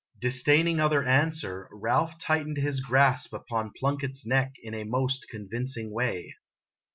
Disdaining other answer, Ralph tightened his grasp upon Plun kett's neck in a most convincing way.